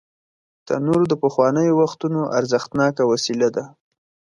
تنور د پخوانیو وختونو ارزښتناکه وسیله ده